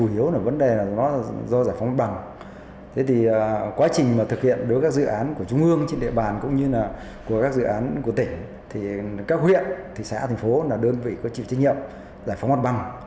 đơn vị có chịu trách nhiệm giải phóng mặt bằng